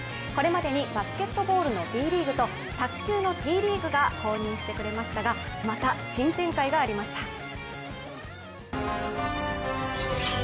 これまでにバスケットボールのＢリーグと卓球のＴリーグが公認してくれましたがまた新展開がありました。